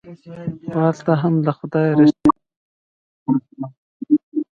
خو هلته هم له خدايه ريښتيني دوست غواړم